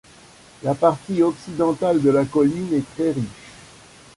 La partie occidentale de la colline est très riche.